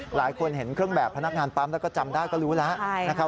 หลายคนเห็นเครื่องแบบพนักงานปั๊มแล้วก็จำได้ก็รู้แล้วนะครับ